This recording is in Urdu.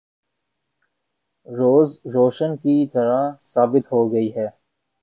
‘ روز روشن کی طرح ثابت ہو گئی ہے۔